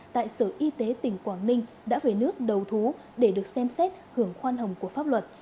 tại sở y tế tỉnh quảng ninh đã về nước đầu thú để được xem xét hưởng khoan hồng của pháp luật